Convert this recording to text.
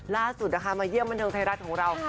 ล่าสุดนะคะมาเยี่ยมบันเทิงไทยรัฐของเรา